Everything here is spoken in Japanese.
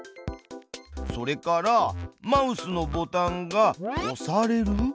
それからマウスのボタンが押される。